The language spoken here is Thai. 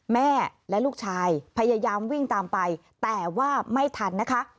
แม่และลูกชายพยายามวิ่งตามไปแต่ว่าไม่ทันนะคะ